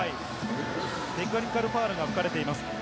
テクニカルファウルが吹かれています。